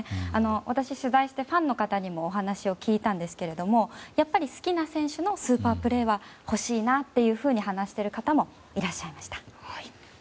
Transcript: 私、取材してファンの方にもお話を聞いたんですけれどもやっぱり、好きな選手のスーパープレーは欲しいなって話している方もいらっしゃりました。